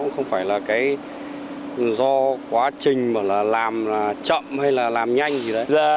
không phải là do quá trình làm chậm hay là làm nhanh gì đấy